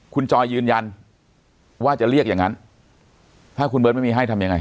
คุณจอยยืนยันว่าจะเรียกอย่างนั้นถ้าคุณเบิร์ตไม่มีให้ทำยังไง